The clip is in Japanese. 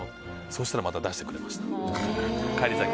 そうしたらまた出してくれました。